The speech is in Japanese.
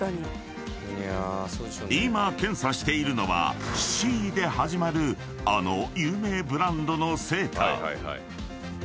［今検査しているのはＣで始まるあの有名ブランドのセーター］